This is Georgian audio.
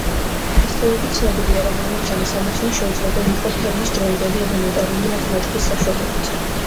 დღესდღეობით ცნობილია, რომ ამოცანის ამოხსნა შეუძლებელი იყო ფერმის დროინდელი ელემენტარული მათემატიკის საშუალებით.